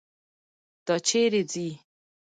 دا چیرې ځي.